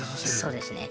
そうですね。